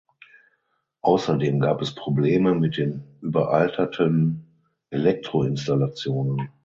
Außerdem gab es Probleme mit den überalterten Elektroinstallationen.